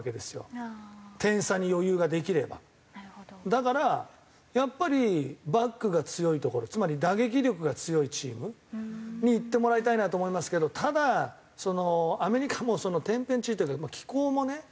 だからやっぱりバックが強いところつまり打撃力が強いチームに行ってもらいたいなと思いますけどただアメリカも天変地異というか気候もね